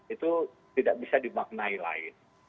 itu tidak bisa dimaknai lain